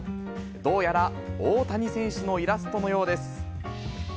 どうやら大谷選手のイラストのようです。